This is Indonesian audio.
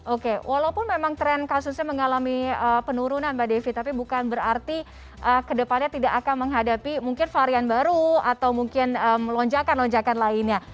oke walaupun memang tren kasusnya mengalami penurunan mbak devi tapi bukan berarti kedepannya tidak akan menghadapi mungkin varian baru atau mungkin lonjakan lonjakan lainnya